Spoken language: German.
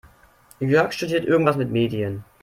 Jörg studiert irgendwas mit Medien.